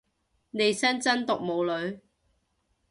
利申真毒冇女